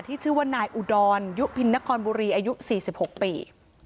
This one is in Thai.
ชื่อว่านายอุดรยุพินนครบุรีอายุ๔๖ปี